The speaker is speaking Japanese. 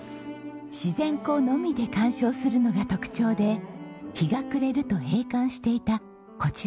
自然光のみで鑑賞するのが特徴で日が暮れると閉館していたこちらの美術館。